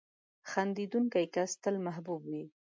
• خندېدونکی کس تل محبوب وي.